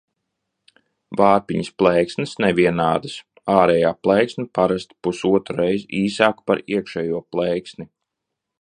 Vārpiņas plēksnes nevienādas, ārējā plēksne parasti pusotrreiz īsāka par iekšējo plēksni.